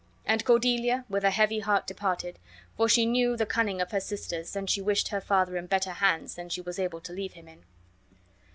And Cordelia with a heavy heart departed, for she knew the cunning of her sisters and she wished her father in better hands than she was about to leave him in.